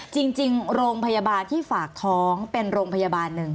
จริงโรงพยาบาลที่ฝากท้องเป็นโรงพยาบาลหนึ่ง